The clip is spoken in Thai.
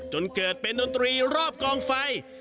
จนเกิดเป็นดนตรีรอบกองไฟ